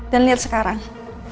dan lihat sekarang